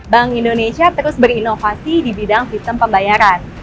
bank indonesia terus berinovasi di bidang sistem pembayaran